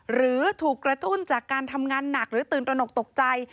หรือถูกกระตุ้นจากการทำงานหนักหรือตื่นตระหนกตกใจ